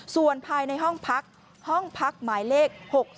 ส่วนภายในห้องพักห้องพักหมายเลข๖๒